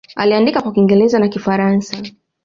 Aliandika kwa Kiingereza na Kifaransa.